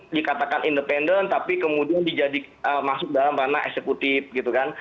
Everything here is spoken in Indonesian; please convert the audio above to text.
dikatakan independen tapi kemudian masuk dalam ranah eksekutif gitu kan